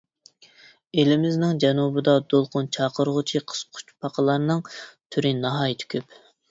ئېلىمىزنىڭ جەنۇبىدا دولقۇن چاقىرغۇچى قىسقۇچ پاقىلارنىڭ تۈرى ناھايىتى كۆپ.